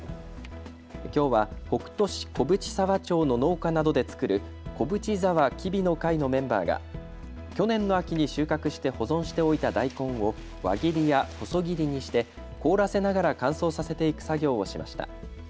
きょうは北杜市小淵沢町の農家などで作る小淵沢きびの会のメンバーが去年の秋に収穫して保存しておいた大根を輪切りや細切りにして凍らせながら乾燥させていく作業をしました。